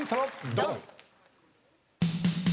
ドン！